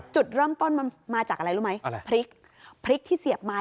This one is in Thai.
จุดเริ่มต้นมันมาจากอะไรรู้ไหมอะไรพริกพริกที่เสียบไม้